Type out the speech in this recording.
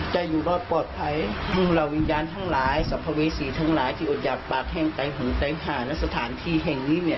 จะอยู่รอดปลอดภัยมุมเราวิญญาณทั้งหลายสรรพวิสีทั้งหลายที่อดใยับปากแห้งใจของใจ่ฆ่านักสถานที่แห่งนี้เนี่ย